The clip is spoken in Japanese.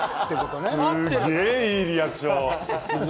すごいいいリアクションが。